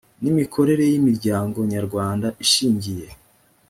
n imikorere by imiryango nyarwanda ishingiye